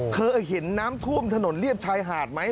เคยเห็นน้ำท่วมถนนเรียบชายหาดไหม